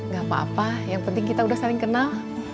gak apa apa yang penting kita udah saling kenal